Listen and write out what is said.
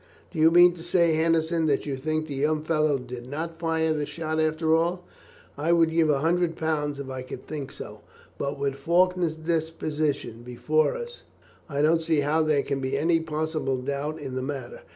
Do you mean to say, Henderson, that you think the young fellow did not fire the shot after all? I would give a hundred pounds if I could think so, but, with Faulkner's deposition before us, I don't see how there can be any possible doubt in the matter.